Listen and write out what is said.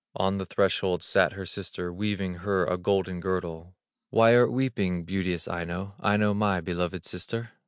On the threshold sat her sister, Weaving her a golden girdle: "Why art weeping, beauteous Aino, Aino, my beloved sister?"